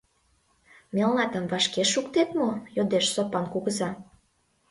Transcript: Мелнатым вашке шуктет мо? — йодеш Сопан кугыза.